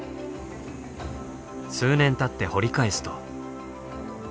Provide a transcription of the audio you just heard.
数年たって掘り返すと。